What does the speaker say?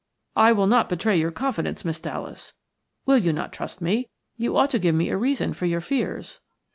"I will not betray your confidence, Miss Dallas. Will you not trust me? You ought to give me a reason for your fears."